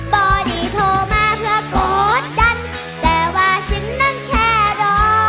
บ่ดีโทรมาเพื่อโกรธกันแต่ว่าฉันนั้นแค่รอ